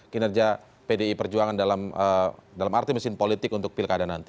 kinerja pdi perjuangan dalam arti mesin politik untuk pilkada nanti